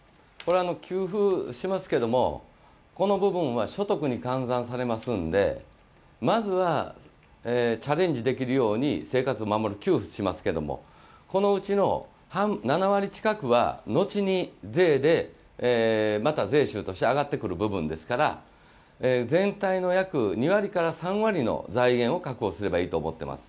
給付しますが、この部分は所得に換算されますのでまずはチャレンジできるように生活を守る給付をしますけどこのうちの７割近くは後に税でまた税収として上がってくる部分ですから全体の２割から３割の財源を確保すればいいと思っています。